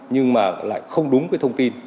nhưng mà lại không đúng cái thông tin